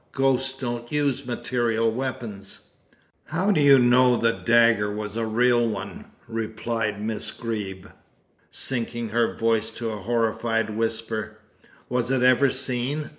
Ghosts don't use material weapons." "How do you know the dagger was a real one?" replied Miss Greeb, sinking her voice to a horrified whisper. "Was it ever seen?